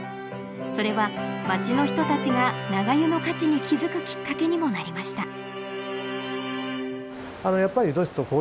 それは町の人たちが長湯の価値に気付くきっかけにもなりました